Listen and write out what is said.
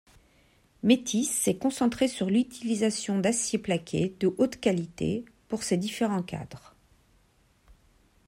Métisse s'est concentré sur l'utilisation d'acier plaqué de haute qualité pour ses différents cadres.